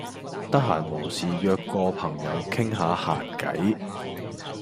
得閒無事約個朋友傾吓閒偈